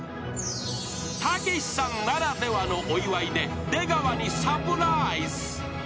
［たけしさんならではのお祝いで出川にサプライズ］